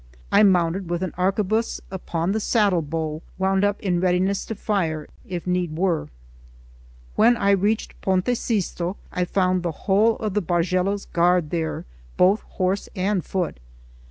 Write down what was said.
I mounted with an arquebuse upon the saddle bow, wound up in readiness to fire, if need were. When I reached Ponte Sisto, I found the whole of the Bargello's guard there, both horse and foot.